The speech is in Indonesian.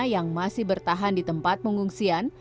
yang masih bertahan di tempat pengungsian